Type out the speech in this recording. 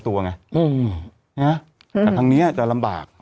แต่ทางนี้จะลำบาก